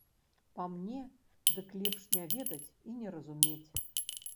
Па мне, дык лепш не ведаць і не разумець.